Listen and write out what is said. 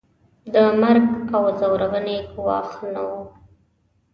د مرګ او ځورونې ګواښ نه وو.